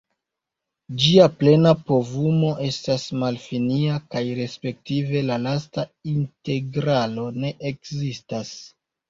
Ĝia plena povumo estas malfinia, kaj respektive la lasta integralo ne ekzistas.